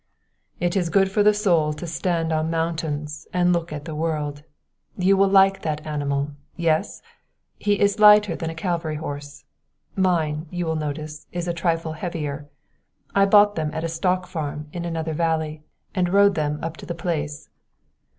"It is good for the soul to stand on mountains and look at the world. You will like that animal yes? He is lighter than a cavalry horse. Mine, you will notice, is a trifle heavier. I bought them at a stock farm in another valley, and rode them up to the place."